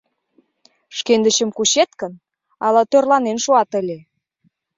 Шкендычым кучет гын, ала тӧрланен шуат ыле?